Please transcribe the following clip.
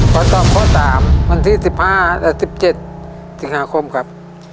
ขอตอบข้อ๓วันที่๑๕และ๑๗สิงหาคมครับ